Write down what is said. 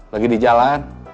lagi di jalan